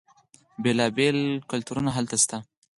بیلا بیل کلتورونه هلته شته.